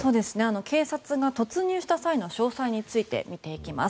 警察が突入した際の詳細について見ていきます。